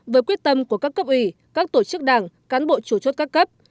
với quyết tâm của các cấp ủy các tổ chức đảng cán bộ chủ chốt các cấp